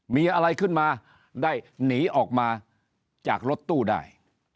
มีอะไรขึ้นมาได้หนีออกมาจากรถตู้ได้